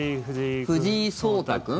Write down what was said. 藤井聡太君？